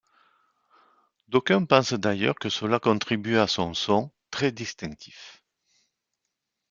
D’aucuns pensent d’ailleurs que cela contribue à son son très distinctif.